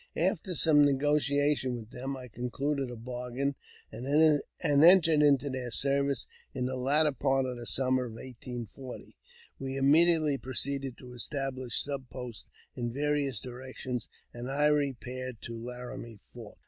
After some little negotiation with them, I concluded a bargain, and entered into their service in the latter part of the summer of 1840. We immediately pro ceeded to establish sub posts in various directions, and I repaired to Laramie Fork.